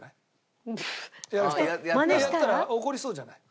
やったら怒りそうじゃない。